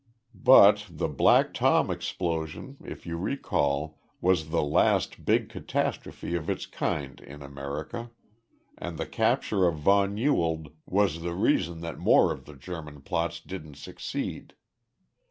But the Black Tom explosion, if you recall, was the last big catastrophe of its kind in America and the capture of von Ewald was the reason that more of the German plots didn't succeed.